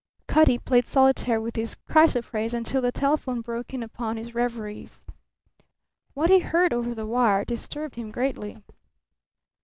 Cutty played solitaire with his chrysoprase until the telephone broke in upon his reveries. What he heard over the wire disturbed him greatly.